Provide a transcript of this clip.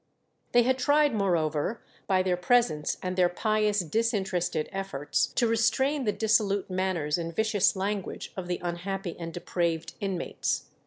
They had tried, moreover, by their presence and their pious, disinterested efforts, to restrain the dissolute manners and vicious language of the unhappy and depraved inmates.